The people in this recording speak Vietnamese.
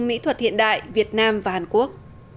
mỹ thuật hiện đại việt nam và hàn quốc